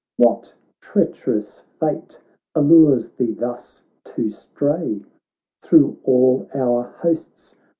What treacherous fate allures thee thus to stray Thro' all our hosts